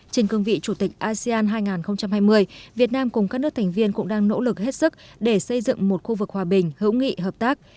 trên cương vị chủ tịch asean hai nghìn hai mươi việt nam cùng các nước thành viên cũng đang nỗ lực hết sức để xây dựng một khu vực hòa bình hữu nghị hợp tác